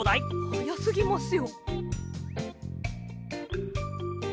はやすぎますよ。